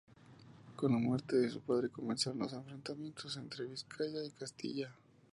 Con la muerte de su padre comenzaron los enfrentamientos entre Vizcaya y Castilla.